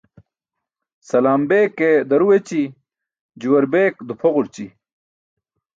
Salam beke daru eci̇, juwar bek dupʰoġurći.